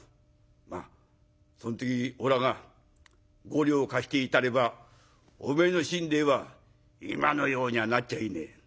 まあその時おらが５両貸していたればおめえの身代は今のようにはなっちゃいねえ。